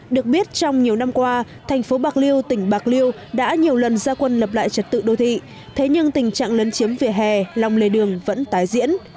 được biết trong nhiều năm qua thành phố bạc liêu tỉnh bạc liêu đã nhiều lần ra quân lập lại trật tự đô thị thế nhưng tình trạng lấn chiếm vỉa hè lòng lề đường vẫn tái diễn